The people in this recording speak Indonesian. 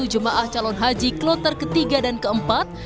tiga ratus tujuh puluh satu jemaah calon haji kloter ketiga dan keempat